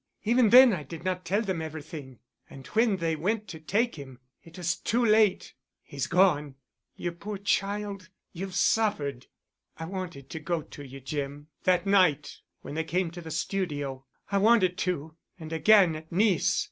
Even then I did not tell them everything. And when they went to take him, it was too late. He's gone." "You poor child. You've suffered——" "I wanted to go to you, Jim—that night when they came to the studio. I wanted to—and again at Nice.